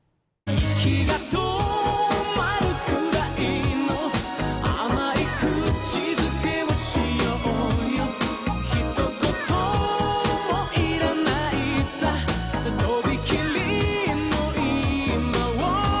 「息が止まるくらいの甘いくちづけをしようよ」「ひと言もいらないさとびきりの今を」